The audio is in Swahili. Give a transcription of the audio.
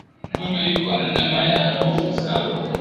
Kondolo iko na nyama ya arufu sana